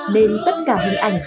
nên tất cả hình ảnh